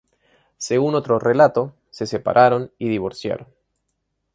Según otro relato, se separaron y divorciaron.